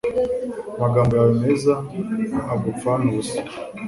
amagambo yawe meza agupfane ubusa